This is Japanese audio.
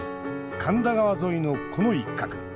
神田川沿いの、この一角。